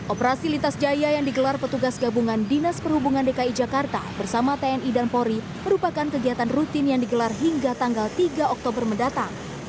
operasi lintas jaya yang digelar petugas gabungan dinas perhubungan dki jakarta bersama tni dan polri merupakan kegiatan rutin yang digelar hingga tanggal tiga oktober mendatang